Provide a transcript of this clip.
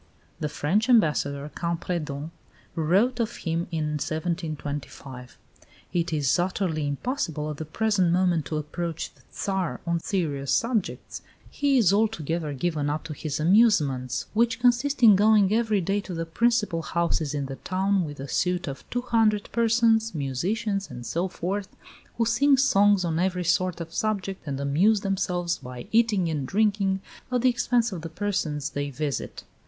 The French Ambassador, Campredon, wrote of him in 1725: "It is utterly impossible at the present moment to approach the Tsar on serious subjects; he is altogether given up to his amusements, which consist in going every day to the principal houses in the town with a suite of 200 persons, musicians and so forth, who sing songs on every sort of subject, and amuse themselves by eating and drinking at the expense of the persons they visit."